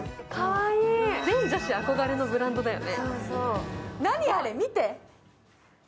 全女子憧れのブランドだよね。